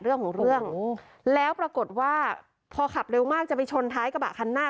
เรื่องของเรื่องแล้วปรากฏว่าพอขับเร็วมากจะไปชนท้ายกระบะคันหน้า